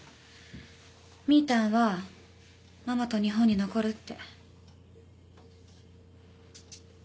みぃたんはママと日本に残るって。